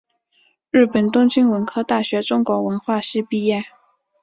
日本东京文科大学中国文学系毕业。